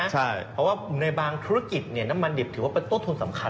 เพราะว่าในบางธุรกิจน้ำมันดิบถือว่าเป็นต้นทุนสำคัญ